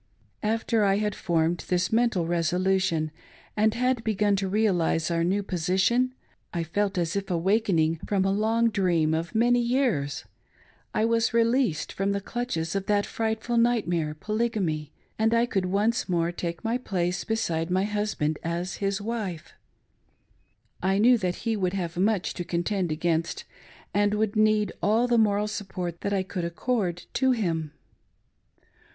After I had formed this mental resolution, and had begun to realise our new position, I felt as if awakening from a loflg dream of many years ;— I was released from the clutches of that frightful nightmare — Polygamy ; and I could once more take my place beside my husband as his wife. I knew that he would have much to contend against, and would need all the moral support that I could accord to him.